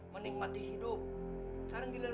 menikmati hidup saran giliran lo